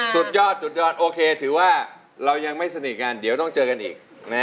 สุดยอดสุดยอดโอเคถือว่าเรายังไม่สนิทกันเดี๋ยวต้องเจอกันอีก